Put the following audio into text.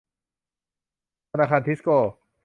ธนาคารทิสโก้